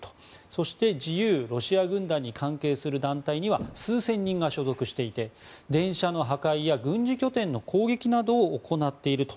そして自由ロシア軍団に関係する団体には数千人が所属していて電車の破壊や軍事拠点の攻撃などを行っていると。